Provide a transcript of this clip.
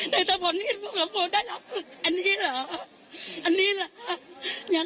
แต่ต้องขนาดนี้กันเลยเหรอพี่ก็ไม่เข้าใจอะ